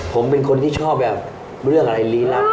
ผมเป็นคนที่ชอบแบบเรื่องอะไรลี้ลับ